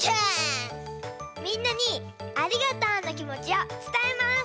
みんなにありがとうのきもちをつたえます！